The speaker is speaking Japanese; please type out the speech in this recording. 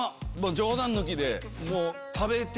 冗談抜きで。